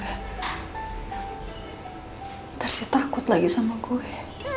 nanti takut lagi sama gue